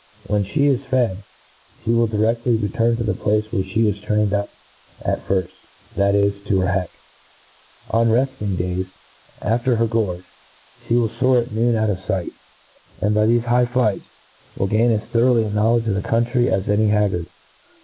When fhe is fed, fhe will direftly , return to the place where fhe was trained up at &V&9 that is, to her heck. On MODERN FAULCONRY, 209 On retting days, after her gorge, fhe will foar at noon out of fight ; and, by thcfe high flights, will gain as thorough a knowledge of the coun try as any haggard.